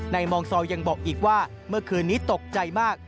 มองซอลยังบอกอีกว่าเมื่อคืนนี้ตกใจมาก